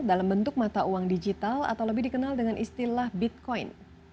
dalam bentuk mata uang digital atau lebih dikenal dengan istilah bitcoin